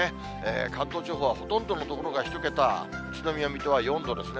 関東地方もほとんどの所が１桁、宇都宮、水戸は４度ですね。